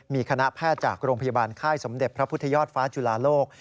มีคณะแพทย์จากโรงพยาบาลค่ายสมเด็จพระพุทธยอดฟ้าจุฬาโลก